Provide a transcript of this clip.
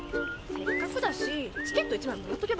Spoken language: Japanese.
せっかくだしチケット１枚もらっとけば。